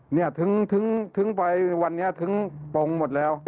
เนี่ยถึงไปวันนี้ถึงปงหมดแล้ว